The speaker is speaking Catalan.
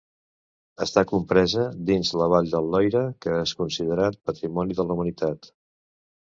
Està compresa dins la Vall del Loira que és considerat Patrimoni de la Humanitat.